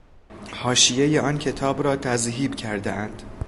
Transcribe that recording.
حاشیهٔ آن کتاب را تذهیب کرده اند.